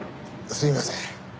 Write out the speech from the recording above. すいません。